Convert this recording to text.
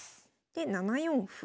で７四歩。